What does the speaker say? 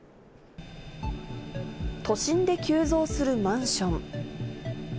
都心で急増するマンション。